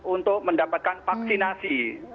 untuk mendapatkan vaksinasi